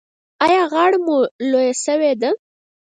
ایا غاړه مو لویه شوې ده؟